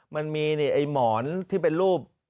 มันมีไอ้หมอนที่เป็นรูป